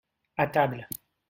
à table.